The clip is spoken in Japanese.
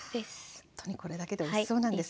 ほんとにこれだけでおいしそうなんですが。